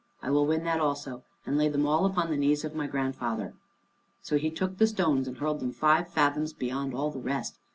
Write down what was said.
I will win that also, and lay them all upon the knees of my grandfather." So he took the stones and hurled them five fathoms beyond all the rest.